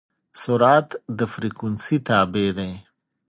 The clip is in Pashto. سرعت د فریکونسي تابع دی.